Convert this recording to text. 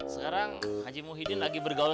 sekarang haji muhyiddin lagi bergaul